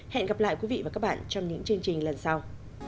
hẹn gặp lại quý vị và các bạn trong những chương trình lần sau